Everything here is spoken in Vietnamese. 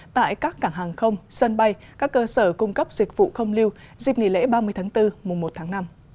tại các cảng hàng không sân bay các cơ sở cung cấp dịch vụ không lưu dịp nghỉ lễ ba mươi tháng bốn mùa một tháng năm